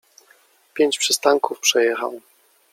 Pięć przystanków przejechał.